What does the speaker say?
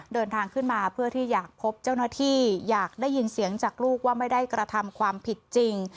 เดินทางขึ้นมาเพื่อที่อยากพบเจ้าหน้าที่อยากได้ยินเสียงจากลูกว่าไม่ได้กระทำความผิดจริง